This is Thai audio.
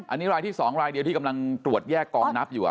อันนี้รายที่๒รายเดียวที่กำลังตรวจแยกกองนับอยู่